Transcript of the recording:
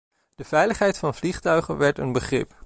De veiligheid van vliegtuigen werd een begrip.